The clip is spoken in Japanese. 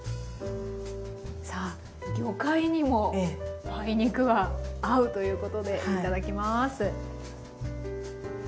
さあ魚介にも梅肉が合うということでいただきます。